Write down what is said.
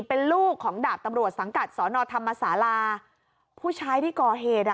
เป็นลูกของดาบตำรวจสังกัดสอนอธรรมศาลาผู้ชายที่ก่อเหตุอ่ะ